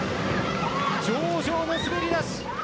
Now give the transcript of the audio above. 上々の滑り出し。